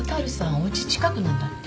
おうち近くなんだって？